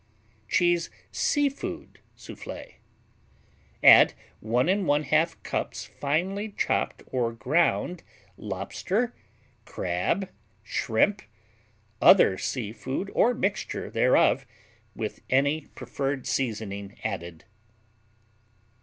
Cheese Sea food Soufflé Add 1 1/2 cups finely chopped or ground lobster, crab, shrimp, other sea food or mixture thereof, with any preferred seasoning added.